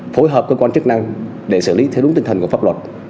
phối hợp cơ quan chức năng để xử lý theo đúng tinh thần của pháp luật